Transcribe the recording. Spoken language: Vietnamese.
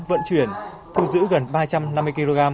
vận chuyển thu giữ gần ba trăm năm mươi kg